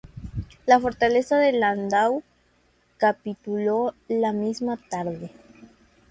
La fortaleza de Landau capituló la misma tarde.